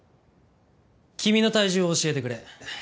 君の体重を教えてくれ。